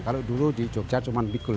kalau dulu di jogja cuma mikul